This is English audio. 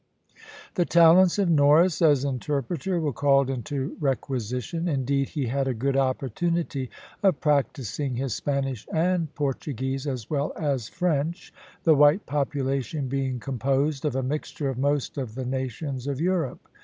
The talents of Norris as interpreter were called into requisition; indeed, he had a good opportunity of practising his Spanish and Portuguese as well as French, the white population being composed of a mixture of most of the nations of Europe.